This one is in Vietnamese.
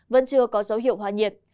vẫn chưa có dấu hiệu hòa nhiệt